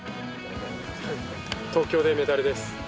東京でメダルです。